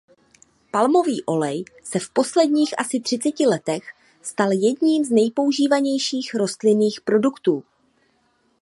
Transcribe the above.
Palmový olej se v posledních asi třiceti letech stal jedním z nejpoužívanějších rostlinných produktů.